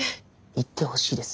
言ってほしいです